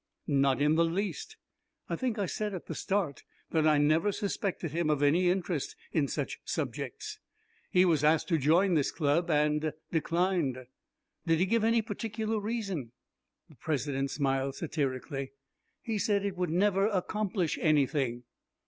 "Not in the least. I think I said at the start that I never suspected him of any interest in such subjects. He was asked to join this Club, and declined." "Did he give any particular reason?" The President smiled satirically. "He said it would never accomplish anything."